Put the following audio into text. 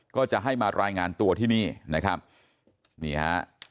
ก็จะให้มารายงานตัวที่นี่นะครับนี่ฮะ